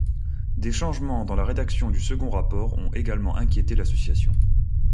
Des changements dans la rédaction du second rapport ont également inquiété l'association.